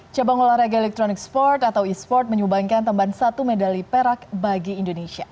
cabang larega electronic sport atau esport menyubangkan temban satu medali perak bagi indonesia